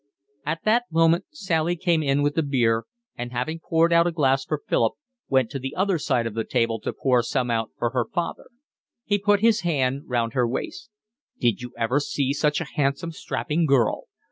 At that moment Sally came in with the beer, and, having poured out a glass for Philip, went to the other side of the table to pour some out for her father. He put his hand round her waist. "Did you ever see such a handsome, strapping girl?